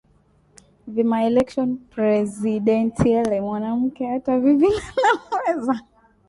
vile ma election presidentielle mwanamke ata vivile anaweza